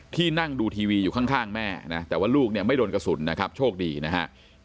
นั่งดูทีวีอยู่ข้างแม่นะแต่ว่าลูกเนี่ยไม่โดนกระสุนนะครับโชคดีนะฮะ